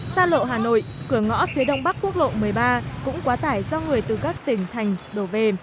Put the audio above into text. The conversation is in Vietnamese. xa lộ hà nội cửa ngõ phía đông bắc quốc lộ một mươi ba cũng quá tải do người từ các tỉnh thành đổ về